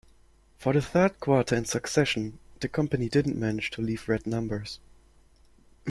For the third quarter in succession, the company didn't manage to leave red numbers.